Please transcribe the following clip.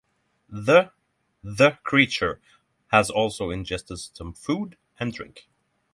The the creature has also ingested some food and drink.